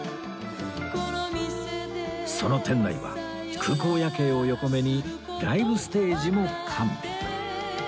その店内は空港夜景を横目にライブステージも完備